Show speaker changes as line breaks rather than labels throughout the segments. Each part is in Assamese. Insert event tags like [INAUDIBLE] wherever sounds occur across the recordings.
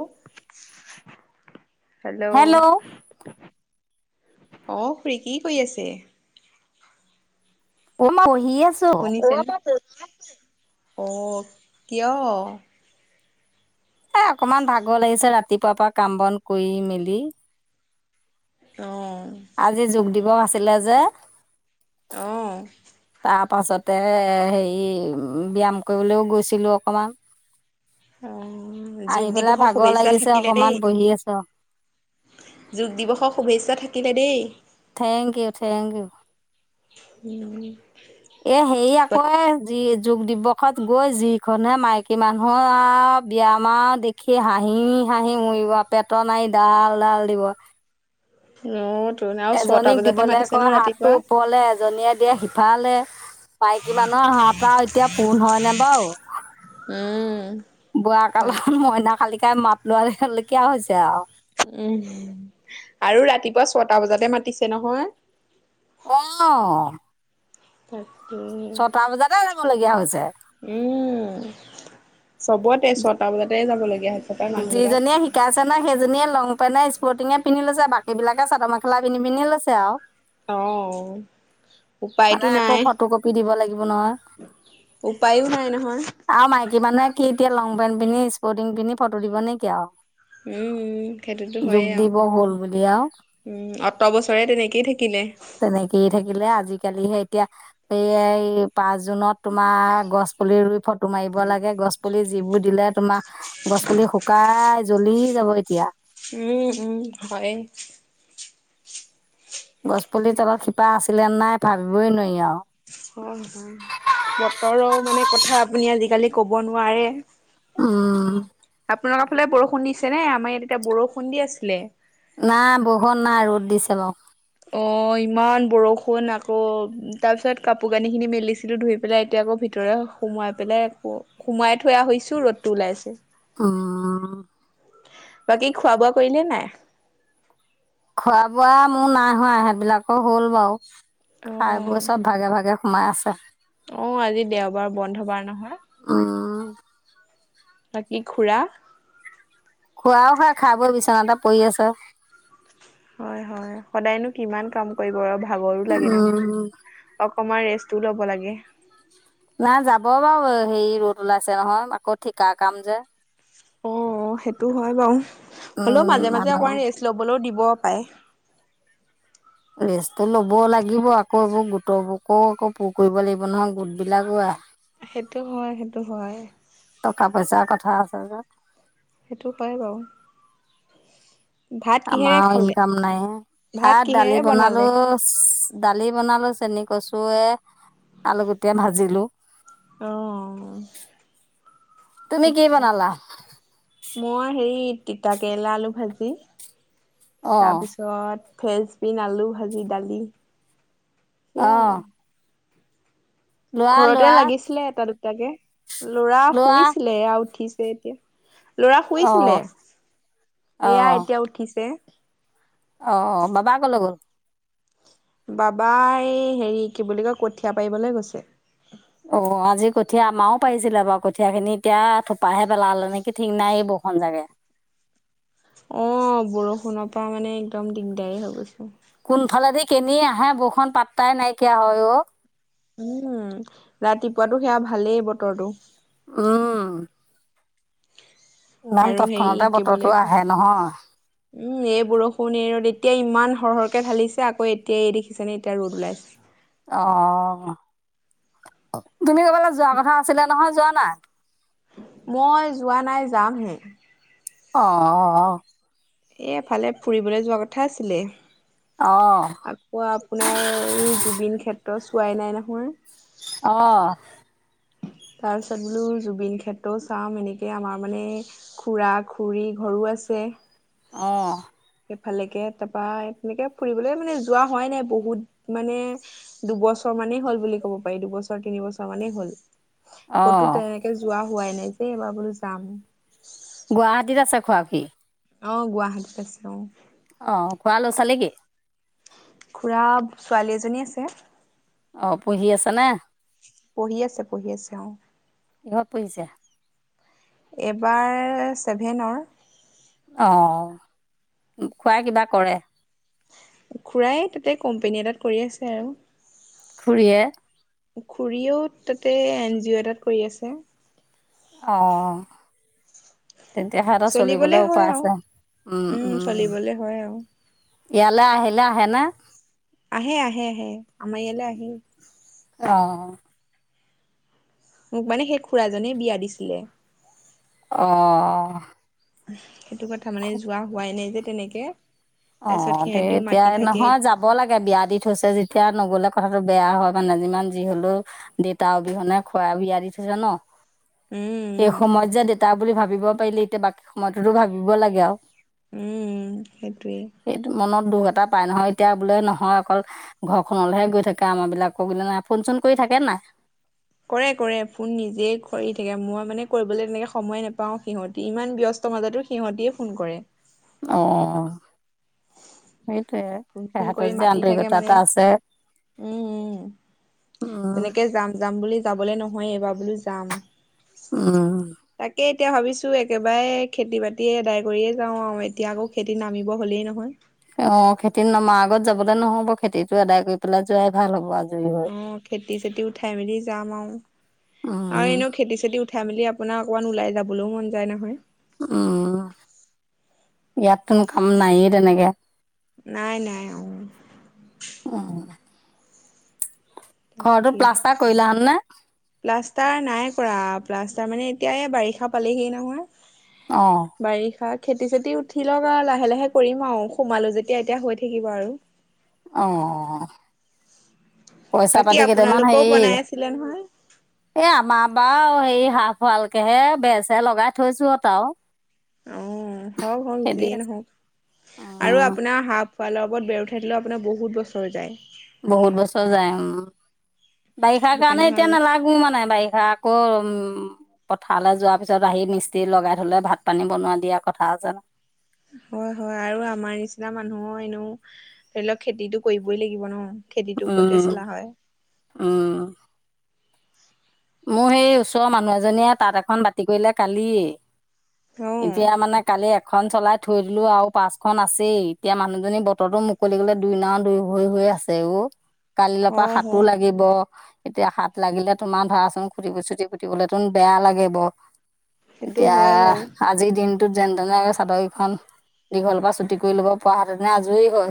হেল। হেল্ল' অ খুুৰী কি কৰি আছে
অ মা পই
শুনিছে অ' কিয়
এ অকনমান ভাগৰ লাগিছে ৰা তিপাৰ পৰা কাম বন কৰি মেলি
অ
আজি যোগ দিৱস আছিলে যে।
অহ
তাৰ পাছতে হেৰি ব্যায়াম কৰিবলৈও গৈছিলো অকমান
অ
আহি
যোগ
পেলাই
দিৱসৰ
ভাগৰ
শুভেচ্ছা
লাগিছে
থাকিলে
অকমান
দেই।
বহি আছো
যোগ দিৱসক শুভেচ্ছা থাকিলে দেই
থেংক ইউ, থেংক ইউ। এ হেই আকৌ এ যি যোগ দিৱসত গৈ যিখনহে মাইকী মানুহৰ আও ব্যায়াম আও দেখি হাঁহি হাঁহি মৰিব পেটৰ নাৰি ডাল ডাল দিব।
অ তোন আৰু ছটা
এজনীক
বজাতে
দিবলে
মাতিছে
কয়
নহয়
হাতটো
ৰাতিপুৱা
ওপৰলে এজনীয়ে দিয়ে সিফালে। মাইকী মানুহৰ হাহপাও এতিয়া পোণ হয় নে বাও
উম
বোৱা কালত
তাকে
মইনা কালিকাই মাত লৰা লৈকীয়া হৈছে আও
উম আৰু ৰাতিপুৱা ছটা বজাতে মাতিছে নহয়
ৱাও
ত
ছটা বজাতে ৰ খিব লগীয়া হৈছে
উম চবতে ছটা বজাতে যাব লাগে লগীয়া হৈছে পাই মানুহবিলাক
যিজনীয়ে শিকাই আছে ন সেইজনীয়ে লং পেনে স্পৰ্টিঙে পিন্ধি লৈছে বাকী বিলাকে চাদৰ মেখেলা পিন্ধি পিন্ধিয়ে লৈছে আও
অহ
মানে আকৌ ফটো কপি দিব লাগিব নহয়
উপায়ো নাই নহয়।
আৰু মাইকী মানে কি এতিয়া লং পিন্ধি স্পৰ্টিং পিন্ধি ফটো দিব নে কি আও
উম সেইটোতো হয়ে আও
হ'ল বুলি আৰু
উম অত বছৰে তেনেকেই থাকিলে
কালি সে এতিয়া সেই পাঁচ জুনত তোমাৰ গছ পুলি ৰুই তোমাৰ এইবোৰক লগে গছ পুলি। যিবোৰ দিলে তোমাক গছ পুলি শুকাই। জ্বলি যাব এতিয়া।
উম-উম হয়।
গছ পুলি তলত শিপা আছিলে নাই ভাবিবই নোৱাৰি আৰু।
হয়-হয় বতৰো মানে কথা আপুনি আজিকালি কব নোৱাৰে।
উম,
আপোনালোকৰ ফালে বৰষুণ দিছে নে আমাৰ ইয়াত এতিয়া বৰষুণ দি আছিলে।
নাই বহত নাই ৰ'দ দিছে বাৰু।
অ' ইমান বৰষুণ আকৌ তাৰ পিছত কাপোৰ কানি খিনি মেলিছিলো ধুই পেলাই এতিয়া আকৌ ভিতৰে সোমাই পেলাই আকৌ সোমাই থোৱা হৈছো ৰ'দতটো ওলাইছে।
উম,
বাকী খোৱা বোৱা কৰিলে নাই।
খোৱা বোৱা মোৰ নাই হোৱা সেইবিলাকৰ হ'ল বাৰু।
অ
খাই বোৰ চব ভাগে-ভাগে, সোমাই আছে।
অ' আজি দেওবাৰ বন্ধ বাৰ নহয়।
উম,
বাকী খুৰা?
খোৱাও খোৱা খাব বিচনা এটা পৰি আছে।
হয়-হয় সদায়নো কিমান কাম কৰিব আৰু। ভাগৰো লাগে
উম,
নহয়। কমাৰ ৰেষ্টটো ল'ব লাগে।
নাই যাব বাৰু সেই ৰ'দ ওলাইছে নহয় আকৌ ঠিকা কাম যে।
অ' সেইটো হয় বাৰু। হ'লেও
উম
মাজে-মাজে
মানুহ
অকমান ৰেষ্ট ল'বলৈও দিব। পায়।
ৰেষ্টটো ল'ব লাগিব আকৌ এইবোৰ গোটবোৰকো আকৌ পূৰ কৰিব লাগিব নহয় গোট বিলাকো।
সেইটো হয়, সেইটো হয়।
কঠাৰ আছে যে।
সেইটো পায় বাৰু। ভাত কিহেৰে
আমাৰো
খালে
ইনকাম নাই ভাত
কিহেৰে
দালি বনালো।
বনালে?
দালি বনালো চেনি কচুৱে আলুগুটীয়া ভাজিলো।
অ'
তুমি কি
ঠিকে
বনালা
মই হেৰি তিতা কেৰেলা আলু ভাজি। কিেই [UNINTELLIGIBLE]
অ
তাৰপিছত ফ্ৰেঞ্চবিন, আলু ভাজি, দালি সেয়াই।
অহ,
ঘৰতে লাগিছিলে এতা দু তাকে ল'ৰা
লোৱা
শুইছিলে এয়া উঠিছ সে এতিয়া ল'ৰা
অ
শুইছিলে,
অ
এয়া এতিয়া উঠিছে।
অ', বাব ক লগ কৰৰ
বাবাই এই হেৰি কি বুলি কয় কঠীয়া পাৰিবলৈ গৈছে।
অ', আজি কঠীয়া আমাৰও পাৰিছিলে বাৰু কঠীয়া খিনি এতিয়া থোপাহে পেলালে নেকি ঠিক নাই বৰুখন জাগে।
অ', বৰষুণৰ পৰা মানে একদম দিগদাৰী হৈ গৈছো।
কোনফালেদি কেনি আহে বৰষু পাত্তাই নাইকিয়া হয় অ'।
উম, ৰাতিপুৱাতটো সেয়া ভালেই বতৰটো।
উম। নান
আৰু হেৰি
তৎক্ষণতে
কি বুলি
বতৰটো
কয়
আহে নহয়।
উম, এই বৰষুণ এই ৰ'দ এতিয়া ইমান সৰহৰকে ঢালিছে আকৌ এতিয়া এই দেখিছেনে এতিয়া ৰ'দ ওলাইছে।
অ'। তুমি কবালা যোৱা কথা আছিলে নহয় যোৱা না
মই যোৱা নাই যামহে
অ', অ', অ'।
এ এফালে ফুৰিবলৈ যোৱা কথা আছিলে।
অ
আকৌ আপোনাৰ এই জুবিন ক্ষে ত' চোৱাই নাই নহয়।
অ'।
তাৰপিছত বোলো জুবিন ক্ষেত্ৰও চাম এনেকে আমাৰ মানে খুৰা খুৰীৰ ঘৰো আছে।
অ'।
ইফালেকে তাৰপৰা তেনেকে ফুৰিবলৈ মানে যোৱা হোৱাই নাই বহুত মানে দুবছৰ মানেই হ'ল বুলি ক'ব পাৰি দুবছৰ তিনিবছৰ মানেই হ'ল।
অ
ক'তো তেনেকে যোৱা হোৱাই নাই যে এইবাৰ বোলো যাম।
গুৱাহাটীত আছে খোৱা কি
অ', গুৱাহাটীত আছে অ'।
অ', খোৱা ল ছালে কি?
খুৰা ছোৱালী এজনী আছে।
অ', পুহি আছ নে?
পঢ়ি আছে, পঢ়ি আছে অ'।
এহাৰ পইচা
এইবাৰ ছেভেনৰ
অ', খোৱা কিবা কৰে।
খুৰায় তাতে কোম্পেনী এটাত কৰি আছে আৰু।
খুুৰীয়ে
খুৰীও তাতে এন জি অ, ' এটাত কৰি আছে।
অ'। তেতিয়াহে এটা
চলিবলে
চলিবলৈ
হয়
উপায়
আৰু
আছে উম, উম।
চলিবলে হয় আৰু।
ইয়ালৈ আহিলে আহেনে?
আহে আহে আহে আমাৰ ইয়ালৈ আহেই।
অ'।
মোক মানে সেই খুৰা জনে বিয়া দিছিলে
অঁ
উ সেইটো কথা মানে যোৱা হোৱাই নাই যে তেনেকে
অ
তাৰপিছত
তে
সিহঁতিও
এতিয়া
মাতি থাকে।
নহয় যাব লাগে বিয়া দি থৈছে যেতিয়া নগলে কথাতটো বেয়া হয় মানে যিমান যি হলেও দেউতা অবিহনে খোৱা বিয়া দি থৈছে ন
উম
সেই
উম
সময়ত যে দেতা বুলি ভাবো ভাবিব পাৰিলে এতিয়া বাকী সময়তোতো ভাবিব লাগে আৰু
উম সেইটোৱেই
সেইটো মনত দুখ এটা পাই নহয় এতিয়া বোলে নহয় অকল ঘৰখনলৈহে গৈ থাকে আমাৰ বিলাকো বোলে নাই ফোন চোন কৰি থাকে নাই
কৰে কৰে ফোন নিজে কৰি থাকে মই মানে কৰিবলৈ তেনেকে সময় নেপাও সিহঁতি ইমান ব্যস্ত মাজতো সিহতিয়ে ফোন কৰে
অ সেইটোয়ে।
ফোন চোন
সিহঁতৰ
কৰি
যে
মাতি থাকে
আন্তৰিকতা
মানে
এটা আছে
উম উম
উম।
তেনেকে যাম যাম বুলি যাবলে ন মই এইবাৰ বোলো যাম
উম
তাকে এতিয়া ভাবিছো একেবাৰে খেতি বাতি আদায় কৰিয়ে যাওঁ আৰু এতিয়া আকৌ খেতি নামিব হ'লেই নহয়
অ খেতি নমাৰ আগত যাবলে নহব খেতিটো আদায় কৰি পেলাই যোৱাই ভাল হ'ব আ
অ খেতি চেতি উঠাই মেলি যাম আৰু আৰু
উম,
এনেও খেতি চেতি ফেমিলি আপোনাৰ অকণমান ওলাই যাবলৈও মন যায় নহয়
উম ইয়াত কোনো কাম নাইয়ে তেনেকে
নাই নাই অ
অ কৰিলা হেন নে?
[UNINTELLIGIBLE] প্লাষ্টাৰ নাই কৰা প্লাষ্টাৰ মানে এতিয়া বাৰিষা পালেহি নহয়
অ',
বাৰিষাত খেতি চেতি উঠি লওক আৰু লাহে লাহে কৰিম আৰু সোমালো যেতিয়া এতিয়া হৈ থাকিব আৰু
অ পইচা
বাকী
পাতি কেইটামান
আপোনালোকেও
হেৰি
বনাই আছিলে নহয়
এ আমাৰ বাৰ এই হাফ ৱালকেহে বেৰ সেৰ লগাই থৈছো আৰু
অ হওক হওক
সেইদি
যিয়েই
আছে।
নহওক আৰু
উম,
আপোনাৰ হফ ৱালৰ ওপৰত বেৰ উঠাই দিলেও আপোনাৰ বহুত বছৰ যায়
বহুত বছৰ যায় উম বাৰিষাৰ
সেইটো
কাৰণে এতিয়া
ভাল
নালাগো মানে বাৰিষা আকৌ উম পথাৰলৈ যোৱাৰ পিছত আহি মিস্ত্ৰী লগাই থলে ভাত পানী বনোৱা দিয়া কথা জানো
হয় হয় আৰু আমাৰ নিচিনা মানুহৰ এনেও ধৰি লওক খেতিটো কৰিবই লাগিব ন। খেতিটোৰ ওপৰতে
উম
চলা হয়
উ। মোৰ সেই ওচৰৰ মানুহ এজনীয়ে তাঁত এখন বাতি কৰিলে কালি।
অ
এতিয়া মানে কালি। খন চলাই থৈ দিলো আৰু পাচখন আছেই এতিয়া মানুহজনী বতৰটো মুকলি গলে দুই নও দুই হৈ হৈ আছে ও। কালিলৰ পৰা
হয়
সাতো
হয়
লাগিব। এতিয়া হাত লাগিলে তোমাৰ ধৰা ত খুটি চুটি পুতিবলে তন বেয়া লাগে ব।
সেইটো
এতিয়া
হয় বাৰু
আজিৰ দিন ত যেন তেনে চাদৰকখনন দীঘলৰ পৰা ছুটি কৰি ল'ব পৰা হতেনে আজৰিয়ে হয়।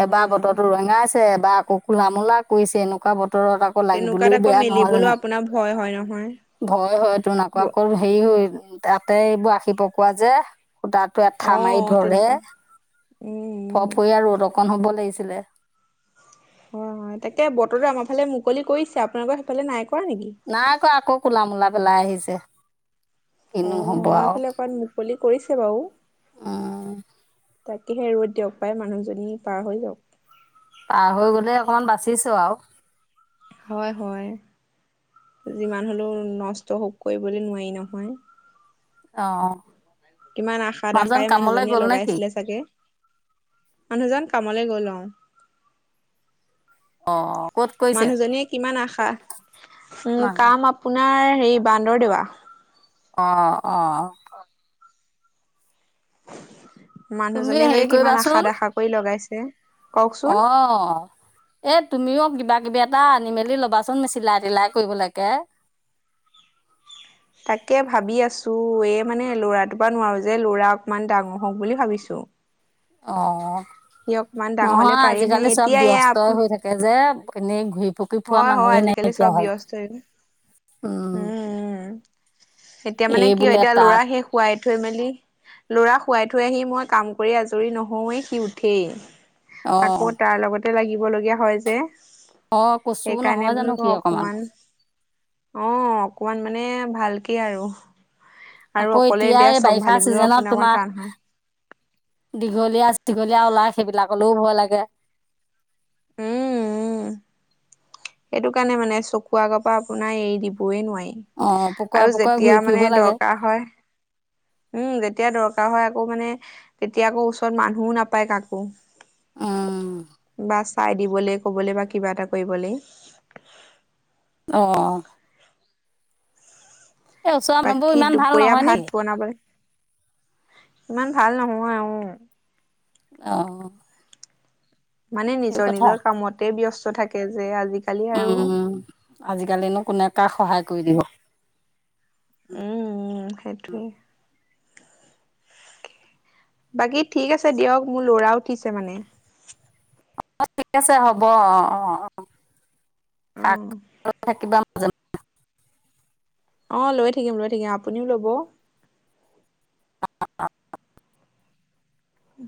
অ
এবাৰ বতৰটো ৰঙা আছে। ছে বা আকৌ কোলা মোলা কৰিছে এনেকুৱা ব্ত তৰত আকৌ
তেনেকুৱাত
লাগিবলেও
আকৌ
বেয়া নহয় জানো।
মেলিবলৈও আপোনাৰ ভয় হয় নহয়
ভয় হয়তোন আকৌ হেৰি তাতে এইবোৰ আশী পকোৱা যে সূতাটো
অ
এঠা মাৰি ধৰে
তেনেকুৱা উম
ফফ
উম
হৈ আৰু অৰকন হ'ব। ছিলে।
হয় হয় তাকে বতৰো আমাৰ ফালে মু মুকলি কৰিছে আপোনালোকৰ সেইফালে নাই কৰা নেকি
নাই কৰা আকৌ কোলা মূলা পেলাই আহিছে। আছে।
অ
কিনু হ'ব
আমাৰ
আৰু।
ফালে অকমান মুকলি কৰিছে বাৰু।
আহ।
তাকেহে ৰদ দিয়ক পাই মানুহজনী পাৰ হৈ যাওক।
পাৰ হৈ গলে অকমান বাচিছো আৰু।
হয় হয় যিমান হ'লেও নষ্ট হ কৰিবলৈ নোৱাৰি নহয়।
অ
কিমান আশা দেখাই মানুহজনীয়ে
কি
লগাইছিলে চাগে মানুহজন কামলে গল অ
অঁ ক'ত
[UNINTELLIGIBLE]
কৰিছে
মানুহজনীয়ে কিমান আশা উম কাম আপোনাৰ হেৰি বান্দৰ দেৱা।
অঁ অঁ। তুমি
মানুহজনীয়ে চাগে কিমান আশা দেখা কৰি লগাইছে। এ
অ এ তুমিও কিবা কিবি এটা আনি মেলি লবাচোন চিলাই তিলাই কৰিবলৈকে
তাকে ভাবি আছো এই মানে লৰাটো বা নোৱাৰো যে লৰা অকমান ডাঙৰ হওক বুলি ভাবিছো
অ
সি অকমান ডাঙৰ হলে
নহয়
পাৰিমহে
আজিকালি চব
এতিয়া এয়া
ব্যস্তই হৈ থাকে যে কেনে ঘূই
হয় হয় আজিকালি চব ব্যস্ত হৈ উম
উম
উম এতিয়া মানে
এই
কি হয়
বোলে
এতিয়া লৰা
তাত
শেষ শোৱাই থৈ মেলি লৰা পুৱাই থৈ আহি মই কাম কৰি আজৰি নহওঁৱেই সি
অ
উঠেই আকৌ তাৰ লগতে লাগিব ক'লগীয়া হয় যে
অ কচো
সেইকাৰণে বোলো অকমান অ অকমান মানে ভালকে আৰু আৰু
আকৌ
অকলে
এতিয়া এই বাৰিষা
চম্ভালিবলৈও
চিজনত
আপোনাৰ অকমান
তোমাৰ
টান হয়।
দীঘলীয়া দীঘলীয়া ওলাই সেইবিলাকলৈও ভয় লাগে
অঁ সেইটো কাৰণে মানে চকু আগৰ পৰা আপোনাৰ এৰি দিবই নোৱাৰি
অ পুকুৰে
আৰু
পুকুৰে
যেতিয়া
ঘূৰি
মানে
ফুৰিব লাগে
দৰকাৰ হয় উম যেতিয়া দৰকাৰ হয় আকৌ মানে তেতিয়া আকৌ ওচৰত মানুহও নাপায় কাকো
উম
বাচ পাই দিবলৈ কবলৈ বা কিবা এটা কৰিবলৈ
অ এই ওচৰ মানুহবোৰ
বাকী
ইমান ভাল
দুপৰীয়া
নহয়
ভাত
নেকি
বনাবলৈ ইমান ভাল নহয় আহ
আহ
মানে নিজৰ নিজৰ কামতে ব্যস্ত থাকে যে আজি
উম আজিকালিনো কোনে কাক সহায় কৰি দিব
সেইটোৱেই বাকী ঠিক আছে দিয়ক মোৰ লৰা উঠিছে মানে
অ ঠিক আছে হ'ব অ অ অ
অ
শাক থাকিবা মাজে মাজ [INAUDIBLE]
অ লৈ থাকিম লৈ থাকিম আপুনিও লব
[INAUDIBLE]
উম